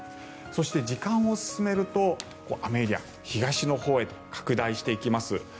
そして、時間を進めると雨エリアは東のほうへと拡大していきます。